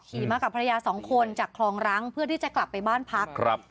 มากับภรรยาสองคนจากคลองรังเพื่อที่จะกลับไปบ้านพักครับ